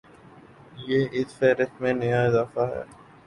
یہ اس فہرست میں نیا اضافہ ہے